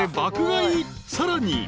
［さらに］